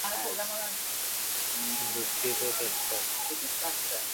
দুঃখিত, ক্যাপ্টেন।